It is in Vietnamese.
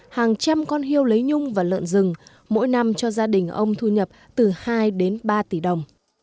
hàng trăm con heo lấy nhung và lợn rừng mỗi năm cho gia đình ông thu nhập từ hai đến ba tỷ đồng